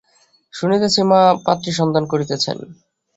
শুনিতেছি মা পাত্রী সন্ধান করিতেছেন।